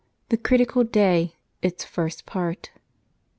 THE CRITICAL DAY: ITS FIRST PART.